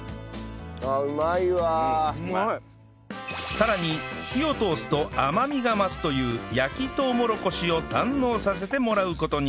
さらに火を通すと甘みが増すという焼きとうもろこしを堪能させてもらう事に